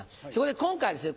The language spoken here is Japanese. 今回はですね